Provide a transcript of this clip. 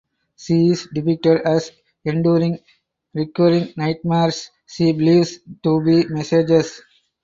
She is depicted as enduring recurring nightmares she believes to be messages.